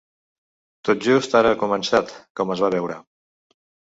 Tot just ara ha començat, com es va veure.